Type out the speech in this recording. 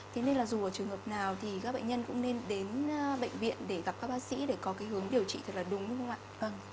thế nên là dù ở trường hợp nào thì các bệnh nhân cũng nên đến bệnh viện để gặp các bác sĩ để có cái hướng điều trị thật là đúng không ạ